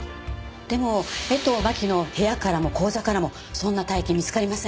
でも江藤真紀の部屋からも口座からもそんな大金見つかりません。